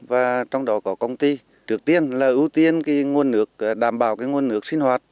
và trong đó có công ty trước tiên là ưu tiên nguồn nước đảm bảo nguồn nước sinh hoạt